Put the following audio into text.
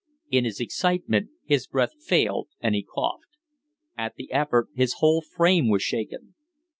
In his excitement his breath failed and he coughed. At the effort his whole frame was shaken.